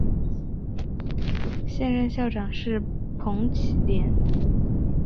现任校长是彭绮莲。